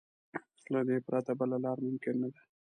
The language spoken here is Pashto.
له دې پرته بله لار ممکن نه ده.